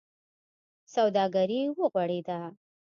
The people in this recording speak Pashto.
سوداګري و غوړېده.